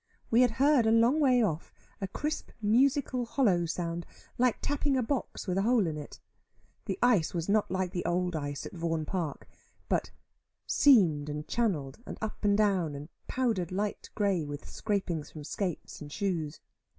We had heard a long way off a crisp musical hollow sound, like tapping a box with a hole in it. The ice was not like the old ice at Vaughan Park, but seamed and channeled, and up and down, and powdered light grey with scrapings from skates and shoes.